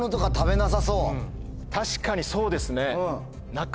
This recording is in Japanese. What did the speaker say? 確かにそうですね。